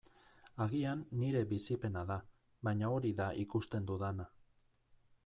Agian nire bizipena da, baina hori da ikusten dudana.